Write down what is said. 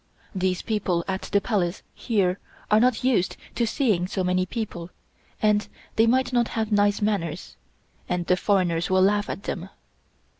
These people at the Palace here are not used to seeing so many people and they might not have nice manners, and the foreigners will laugh at them."